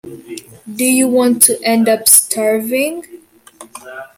Do you want to end up starving?